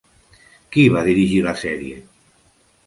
Qui va dirigir la sèrie?